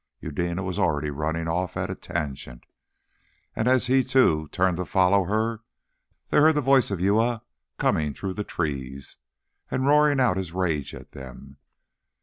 Eudena was already running off at a tangent. And as he too turned to follow her they heard the voice of Uya coming through the trees, and roaring out his rage at them.